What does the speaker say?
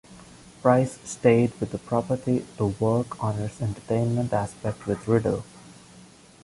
Rice stayed with the property to work on its entertainment aspect with Riddle.